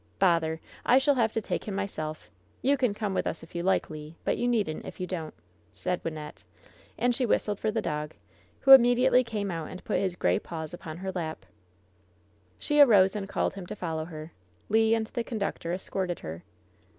"Bother I I shall have to take him myself. You can come with us if you like, Le; but you needn't if you don't," said Wynnette. And she whistled for the dog, who immediately came out and put his gray paws upon her lap. She arose and called him to follow her. Le and the conductor escorted her.